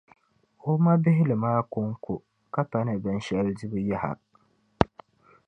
o ma bihili maa kɔŋko ka pani binshɛli dibu yaha.